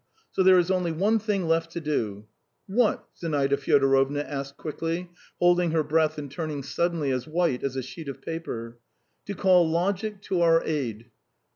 So there is only one thing left to do. ..." "What?" Zinaida Fyodorovna asked quickly, holding her breath and turning suddenly as white as a sheet of paper. "To call logic to our aid.